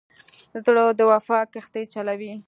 زړه د وفا کښتۍ چلوي.